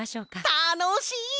たのしい！